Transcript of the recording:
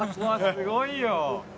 すごいよ！